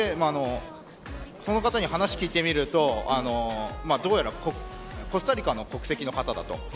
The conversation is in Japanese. その方に話を聞いてみるとどうやらコスタリカの国籍の方だと。